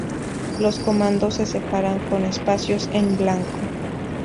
Los comandos se separan con espacios en blanco.